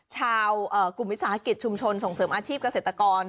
ชาวกลุ่มวิทยาศาสตร์ศักดิ์ชุมชนส่งเสริมอาชีพเกษตรกร